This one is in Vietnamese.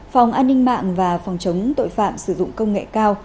phòng an ninh mạng và phòng chống tội phạm sử dụng công nghệ cao